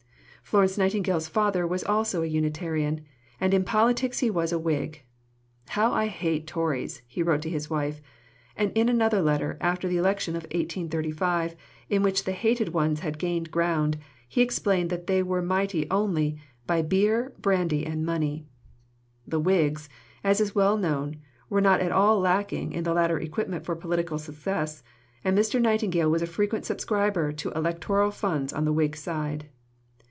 Florence Nightingale's father was also a Unitarian; and in politics he was a Whig. "How I hate Tories," he wrote to his wife; and in another letter, after the election of 1835, in which the hated ones had gained ground, he explained that they were mighty only "by Beer, Brandy, and Money." The Whigs, as is well known, were not all lacking in the latter equipment for political success, and Mr. Nightingale was a frequent subscriber to electoral funds on the Whig side.